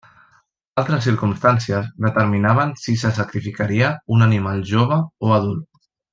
Altres circumstàncies determinaven si se sacrificaria un animal jove o adult.